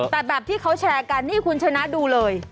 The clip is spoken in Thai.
แต่แบบที่เขาแชร์กันนี่คุณชนะดูเลย